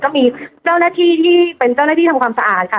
ก็มีเจ้าหน้าที่ที่เป็นเจ้าหน้าที่ทำความสะอาดค่ะ